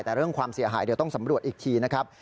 แต่เรื่องความเสียหายเดี๋ยวต้องสำรวจอีกทีนะครับ